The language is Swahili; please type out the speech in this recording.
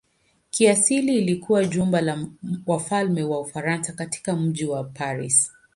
Kiasili ilikuwa jumba la wafalme wa Ufaransa katika mji wa Paris.